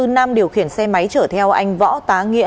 nam điều khiển xe máy chở theo anh võ tá nghĩa